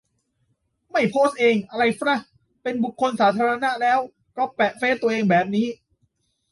ไม่โพสเองอะไรฟระ ? เป็นบุคคลสาธารณะแล้วก๊อปแปะเฟสตัวเองแบบนี้